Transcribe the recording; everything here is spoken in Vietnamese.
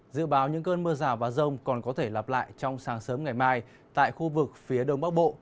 dự báo những cơn mưa rào và rông còn có thể lặp lại trong sáng sớm ngày mai tại khu vực phía đông bắc bộ